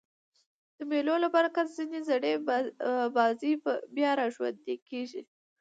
د مېلو له برکته ځیني زړې بازۍ بیا راژوندۍ کېږي.